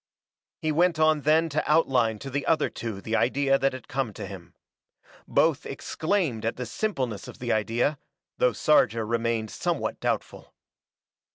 He went on then to outline to the other two the idea that had come to him. Both exclaimed at the simpleness of the idea, though Sarja remained somewhat doubtful.